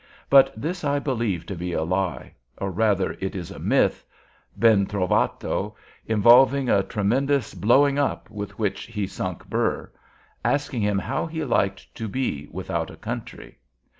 But this I believe to be a lie; or, rather, it is a myth, ben trovato, involving a tremendous blowing up with which he sunk Burr, asking him how he liked to be "without a country."